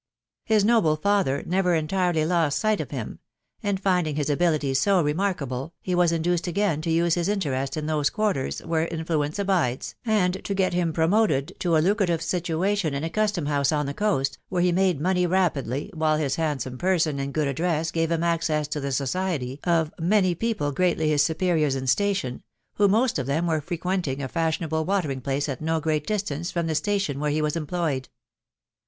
His noble father never entirely lost sight of him ; and finding his abilities so remarkable, he was induced again to use his interest in those quarters where influence abides, and to get him promoted to a lucrative situation in a custom house on the coast, where he made money rapidly, while his handsome person and good address gave him access to the society of many people greatly his superiors in station, who most of them were frequenting a fashionable watering place at no great distance from the station where he was employed.